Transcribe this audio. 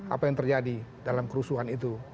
apa yang terjadi dalam kerusuhan itu